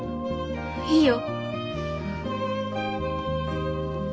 いいよ。